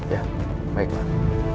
ya baik pak